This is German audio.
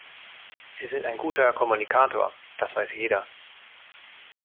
Sie sind ein guter Kommunikator. Das weiß jeder.